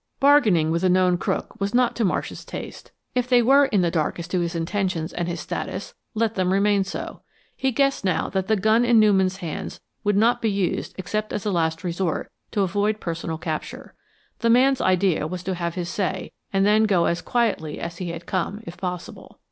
Bargaining with a known crook was not to Marsh's taste. If they were in the dark as to his intentions and his status, let them remain so. He guessed now that the gun in Newman's hands would not be used except as a last resort to avoid personal capture. The man's idea was to have his say, and then go as quietly as he had come, if possible.